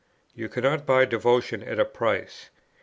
You cannot buy devotion at a price.